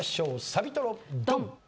サビトロドン！